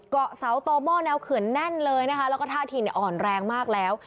เกาะเสาต่อหม้อแนวเขื่อนแน่นเลยนะคะแล้วก็ท่าทีเนี่ยอ่อนแรงมากแล้ว